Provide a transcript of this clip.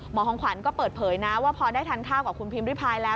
ของขวัญก็เปิดเผยนะว่าพอได้ทานข้าวกับคุณพิมพิพายแล้ว